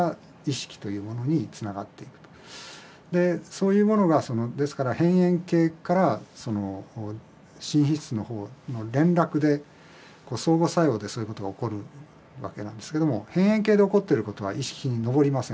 そういうものがですから「辺縁系」からその「新皮質」の方の連絡で相互作用でそういうことが起こるわけなんですけども辺縁系で起こってることは意識に上りません。